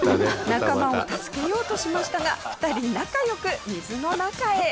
仲間を助けようとしましたが２人仲良く水の中へ。